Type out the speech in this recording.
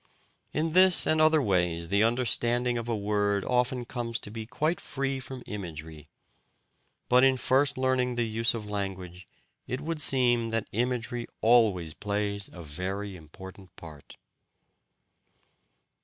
In this and other ways the understanding of a word often comes to be quite free from imagery; but in first learning the use of language it would seem that imagery always plays a very important part.